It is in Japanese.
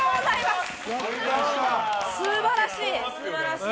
すばらしい！